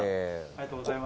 ありがとうございます。